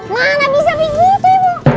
mana bisa begitu ibu